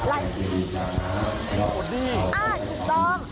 ดีอ่าถูกต้อง